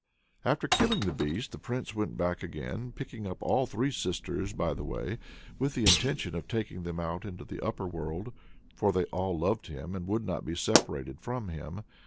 After killing the Beast, the Prince went back again, picking up all the three sisters by the way, with the intention of taking them out into the upper world: for they all loved him and would not be separated from him.